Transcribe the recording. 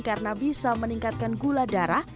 karena bisa meningkatkan gula darah